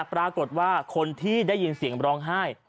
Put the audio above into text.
ปรากฏว่าคนที่ได้ยินเสียงร้องไห้